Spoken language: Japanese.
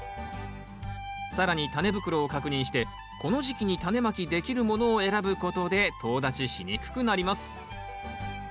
更にタネ袋を確認してこの時期にタネまきできるものを選ぶことでとう立ちしにくくなります。